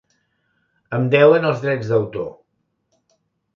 Em deuen els drets d'autor.